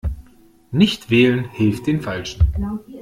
Nichtwählen hilft den Falschen.